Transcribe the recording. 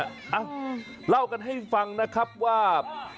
เอ้าเล่ากันให้ฟังนะครับว่า